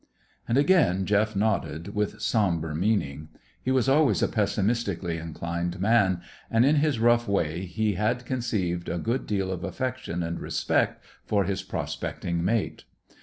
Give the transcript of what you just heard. And again Jeff nodded, with sombre meaning. He was always a pessimistically inclined man; and, in his rough way, he had conceived a good deal of affection and respect for his prospecting mate.